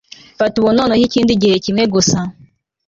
Mfata ubu noneho ikindi gihe kimwe gusa